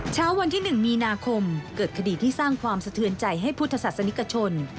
เช้าวันที่๑มีนาคมเกิดคดีที่สร้างความสะเทือนใจให้พุทธศาสนิกชน